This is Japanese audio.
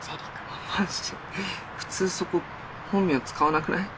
マジ⁉普通そこ本名使わなくない？